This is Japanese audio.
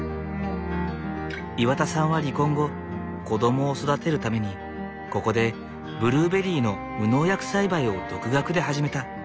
岩田さんは離婚後子供を育てるためにここでブルーベリーの無農薬栽培を独学で始めた。